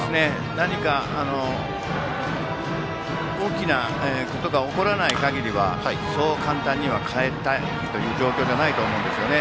何か大きなことが起こらない限りはそう簡単に代える状況ではないと思うんですね。